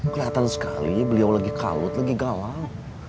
kelihatan sekali beliau lagi kalut lagi galau